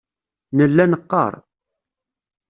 Nella neqqaṛ.